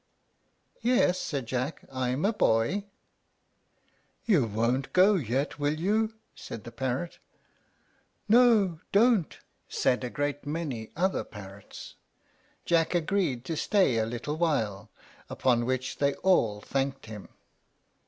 "Yes," said Jack; "I'm a boy." "You won't go yet, will you?" said the parrot. "No, don't," said a great many other parrots. Jack agreed to stay a little while, upon which they all thanked him.